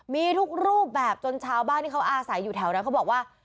มีทุกรูปแบบจนชาวบ้านที่เขาอาศัยอยู่แถวนั้นเขาบอกว่า